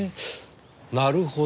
なるほど。